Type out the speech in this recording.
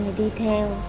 người đi theo